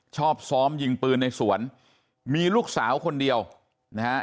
ชอบซ้อมยิงปืนในสวนมีลูกสาวคนเดียวนะฮะ